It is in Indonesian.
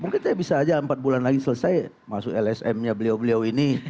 mungkin saya bisa aja empat bulan lagi selesai masuk lsm nya beliau beliau ini